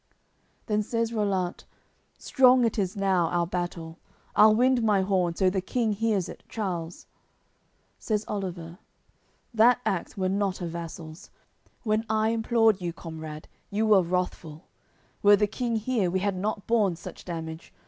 AOI. CXXX Then says Rollant: "Strong it is now, our battle; I'll wind my horn, so the King hears it, Charles." Says Oliver: "That act were not a vassal's. When I implored you, comrade, you were wrathful. Were the King here, we had not borne such damage.